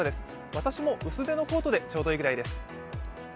私も薄手のコートでちょうどいいくらいです。